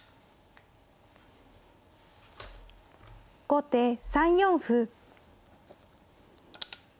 後手３四歩。